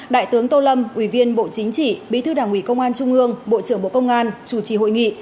đại tướng tô lâm ủy viên bộ chính trị bí thư đảng ủy công an trung ương bộ trưởng bộ công an chủ trì hội nghị